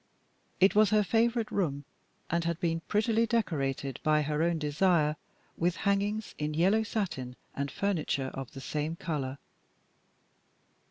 It was her favorite room, and had been prettily decorated, by her own desire, with hangings in yellow satin and furniture of the same color.